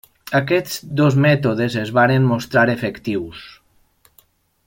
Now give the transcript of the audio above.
Aquests dos mètodes es varen mostrar efectius.